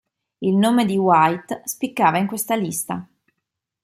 Il nome di White spiccava in questa lista.